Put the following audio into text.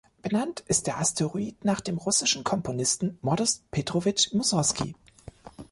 Benannt ist der Asteroid nach dem russischen Komponisten Modest Petrowitsch Mussorgski.